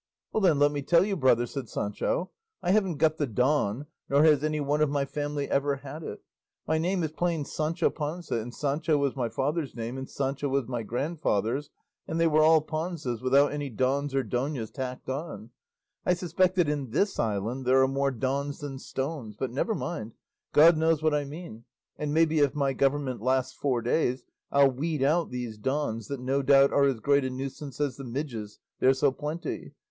"Well then, let me tell you, brother," said Sancho, "I haven't got the 'Don,' nor has any one of my family ever had it; my name is plain Sancho Panza, and Sancho was my father's name, and Sancho was my grandfather's and they were all Panzas, without any Dons or Donas tacked on; I suspect that in this island there are more Dons than stones; but never mind; God knows what I mean, and maybe if my government lasts four days I'll weed out these Dons that no doubt are as great a nuisance as the midges, they're so plenty.